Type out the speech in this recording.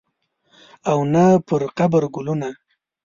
او نه پرقبر ګلونه